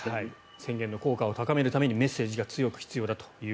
宣言の効果を高めるために強いメッセージが必要だと。